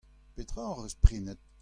Petra hoc'h eus prenet ?